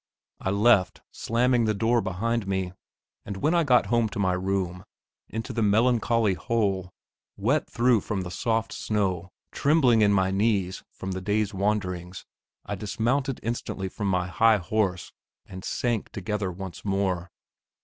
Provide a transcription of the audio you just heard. I left, slamming the door behind me. But when I got home to my room, into the melancholy hole, wet through from the soft snow, trembling in my knees from the day's wanderings, I dismounted instantly from my high horse, and sank together once more.